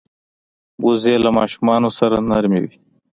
وزې له ماشومانو سره نرمه وي